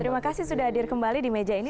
terima kasih sudah hadir kembali di meja ini